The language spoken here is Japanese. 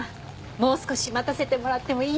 もう少し待たせてもらってもいい？